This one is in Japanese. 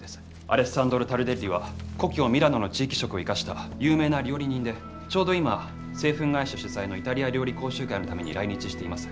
アレッサンドロ・タルデッリは故郷ミラノの地域色を生かした有名な料理人でちょうど今製粉会社主催のイタリア料理講習会のために来日しています。